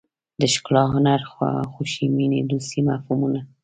د ښکلا هنر خوښۍ مینې دوستۍ مفهومونه.